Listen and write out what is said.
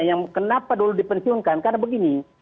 yang kenapa dulu dipensiunkan karena begini